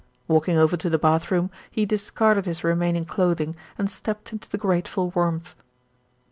Walking over to the bath room, he discarded his re maining clothing, and stepped into the grateful warmth.